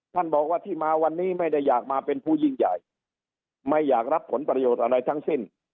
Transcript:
ท่านบอกว่าที่มาวันนี้ไม่ได้อยากมาเป็นผู้ยิ่งใหญ่ไม่อยากรับผลประโยชน์อะไรทั้งสิ้น